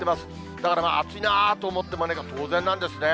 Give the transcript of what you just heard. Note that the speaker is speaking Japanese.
だから暑いなと思っても、当然なんですね。